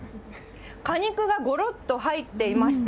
果肉がごろっと入っていまして。